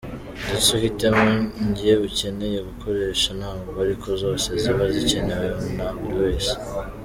Ndetse uhitemo nke ukeneye gukoresha, ntabwo ariko zose ziba zikenewe na buri wese.